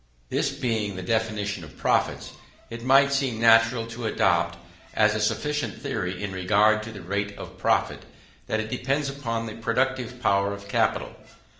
This being the definition of profits, it might seem natural to adopt, as a sufficient theory in regard to the rate of profit, that it depends upon the productive power of capital.